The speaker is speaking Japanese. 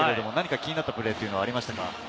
気になったプレーはありましたか？